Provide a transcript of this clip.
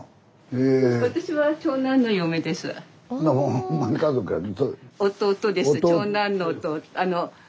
ほんまに家族やね。